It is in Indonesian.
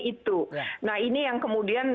itu nah ini yang kemudian